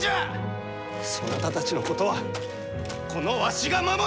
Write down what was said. そなたたちのことはこのわしが守る！